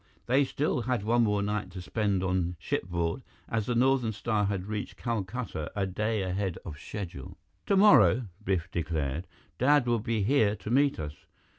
They still had one more night to spend on shipboard as the Northern Star had reached Calcutta a day ahead of schedule. "Tomorrow," Biff declared, "Dad will be here to meet us.